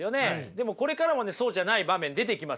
でもこれからもねそうじゃない場面出てきますよ。